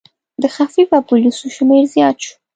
د خفیه پولیسو شمېر زیات شو.